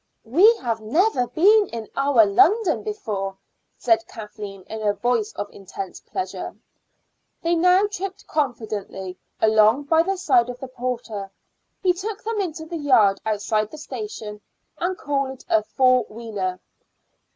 "We have never been in our London before," said Kathleen in a voice of intense pleasure. They now tripped confidently along by the side of the porter. He took them into the yard outside the station, and called a four wheeler.